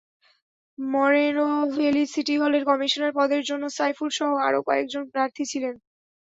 মরেনো Valley City হলের commissioner পদের জন্য সাইফুরসহ আরও কয়েকজন প্রার্থী ছিলেন।